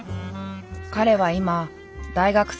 彼は今大学３年生。